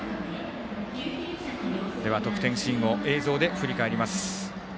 では、得点シーンを映像で振り返ります。